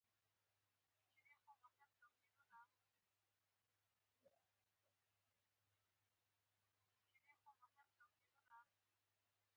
ساینس دان دي په ساینسي ډګر کي معلومات وکاروي.